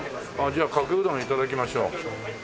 じゃあかけうどん頂きましょう。